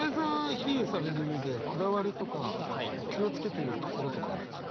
比喩される上でこだわりとか気を付けてるところとかあるんですか？